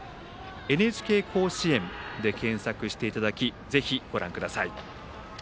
ＮＨＫ甲子園で検索していただきぜひ、ご覧ください。